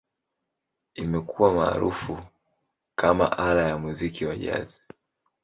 Imekuwa maarufu kama ala ya muziki wa Jazz.